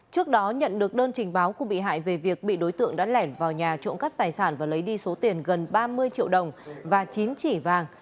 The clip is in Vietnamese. sau khu bị hại về việc bị đối tượng đã lẻn vào nhà trộm cấp tài sản và lấy đi số tiền gần ba mươi triệu đồng và chín chỉ vàng